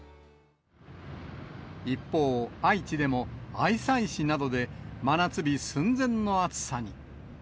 一方、愛知でも愛西市などで真夏日寸前の暑さに。